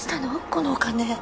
このお金。